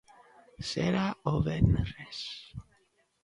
Será o venres.